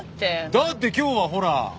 だって今日はほら。